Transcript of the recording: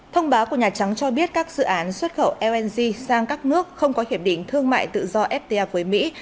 thông báo của nhà trắng cho biết các dự án xuất khẩu lng sang các nước không có hiệp định thương mại tự do fta với mỹ